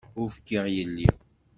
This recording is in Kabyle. Ur fkiɣ yelli.